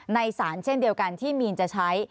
สารเช่นเดียวกันที่มีนจะใช้